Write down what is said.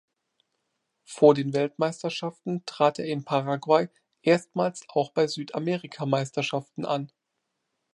Vor den Weltmeisterschaften trat er in Paraguay erstmals auch bei Südamerikameisterschaften an.